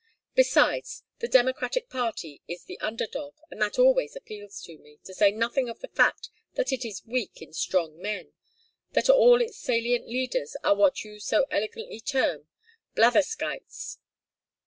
Besides, the Democratic party is the under dog, and that always appeals to me, to say nothing of the fact that it is weak in strong men, that all its salient leaders are what you so elegantly term 'blatherskites.'